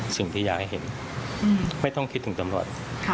สิ่งที่อยากให้เห็นไม่ต้องคิดถึงตำรวจ